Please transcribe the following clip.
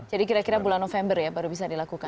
jadi kira kira bulan november ya baru bisa dilakukan